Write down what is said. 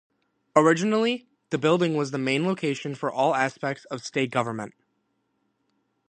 Originally, the building was the main location for all aspects of state government.